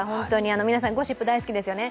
皆さんゴシップ大好きですよね。